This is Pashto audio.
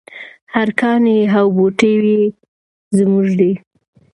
هر کاڼی او بوټی یې زموږ دی.